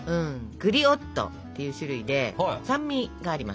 グリオットっていう種類で酸味があります。